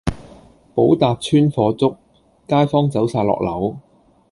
寶達邨火燭，街坊走曬落樓